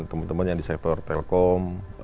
teman teman yang di sektor telkom